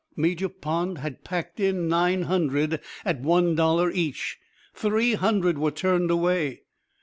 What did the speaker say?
Major Pond had packed in nine hundred at one dollar each three hundred were turned away.